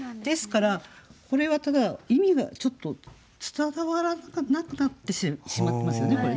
ですからこれはただ意味がちょっと伝わらなくなってしまってますよね